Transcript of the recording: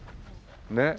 ねっ。